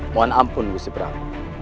mohon ampun bu si perang